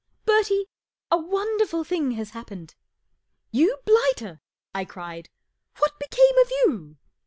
Ber¬ tie, a won¬ derful thing has hap pened." "You bligh¬ ter!" I cried. " What be rame of you